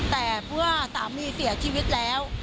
แต่เมื่อสามีเสียชีวิตแล้ว